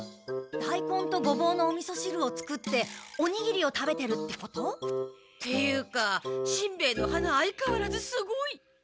ダイコンとゴボウのおみそしるを作っておにぎりを食べてるってこと？っていうかしんべヱの鼻あいかわらずすごい。